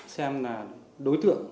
xem là đối tượng